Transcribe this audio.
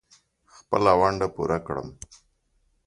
خپله ونډه پوره کړم.